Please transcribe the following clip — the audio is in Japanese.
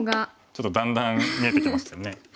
ちょっとだんだん見えてきましたよね。